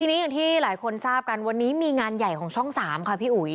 ทีนี้อย่างที่หลายคนทราบกันวันนี้มีงานใหญ่ของช่อง๓ค่ะพี่อุ๋ย